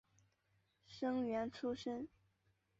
生员出身。